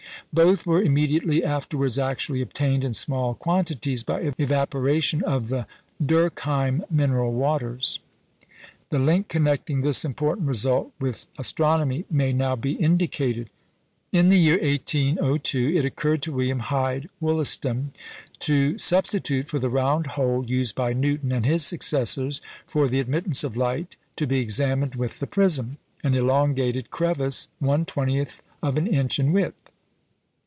" Both were immediately afterwards actually obtained in small quantities by evaporation of the Durckheim mineral waters. The link connecting this important result with astronomy may now be indicated. In the year 1802 it occurred to William Hyde Wollaston to substitute for the round hole used by Newton and his successors for the admittance of light to be examined with the prism, an elongated "crevice" 1/20th of an inch in width.